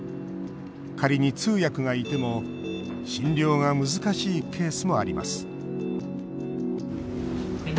仮に通訳がいても診療が難しいケースもあります